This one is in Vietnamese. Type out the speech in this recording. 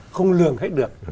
không lường hết được